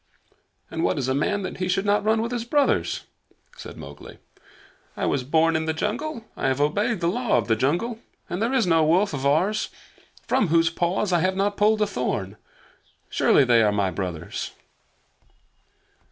"And what is a man that he should not run with his brothers?" said Mowgli. "I was born in the jungle. I have obeyed the Law of the Jungle, and there is no wolf of ours from whose paws I have not pulled a thorn. Surely they are my brothers!"